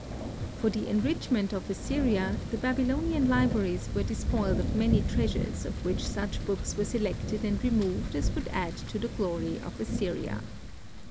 For the enrichment of Assyria, the Babylonian libraries were despoiled of many treasures of which such books were selected and removed as would add to the glory of Assyria.